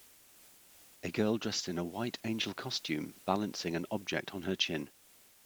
A girl dressed in a white angel costume balancing an object on her chin.